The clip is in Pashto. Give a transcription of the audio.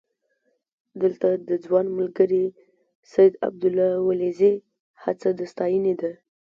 دلته د ځوان ملګري سید عبدالله ولیزي هڅه د ستاینې ده.